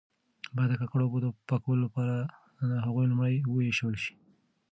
باید د ککړو اوبو د پاکولو لپاره هغوی لومړی وایشول شي.